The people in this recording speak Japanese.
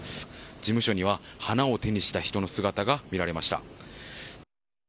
事務所には花を手にした人の姿が見られました。